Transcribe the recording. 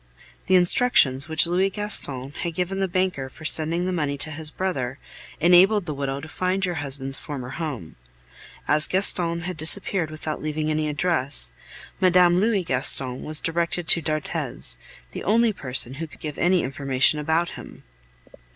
The instructions which Louis Gaston had given the banker for sending the money to his brother enabled the widow to find your husband's former home. As Gaston had disappeared without leaving any address, Mme. Louis Gaston was directed to d'Arthez, the only person who could give any information about him.